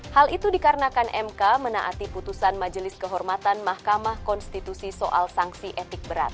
hal itu dikarenakan mk menaati putusan majelis kehormatan mahkamah konstitusi soal sanksi etik berat